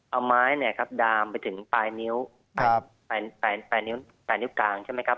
เอาไม้ดามไปถึงไปนิ้วกลางใช่ไหมครับ